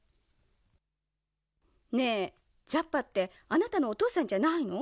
ねえザッパってあなたのおとうさんじゃないの？